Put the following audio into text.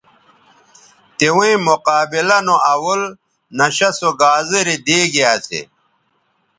تویں مقابلہ نو اول نشہ سو گازرے دیگے اسے